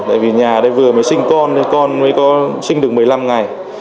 tại vì nhà đây vừa mới sinh con con mới có sinh được một mươi năm ngày